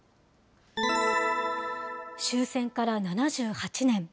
終戦から７８年。